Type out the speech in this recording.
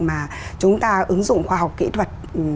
mà chúng ta ứng dụng khoa học kỹ thuật